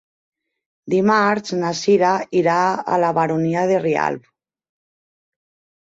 Dimarts na Cira irà a la Baronia de Rialb.